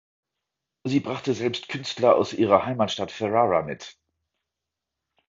Sie brachte selbst Künstler aus ihrer Heimatstadt Ferrara mit.